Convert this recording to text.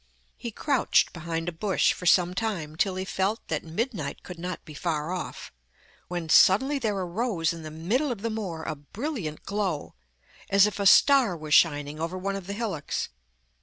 He crouched behind a bush for some time, till he felt that midnight could not be far off, when suddenly there arose in the middle of the moor a brilliant glow, as if a star was shining over one of the hillocks.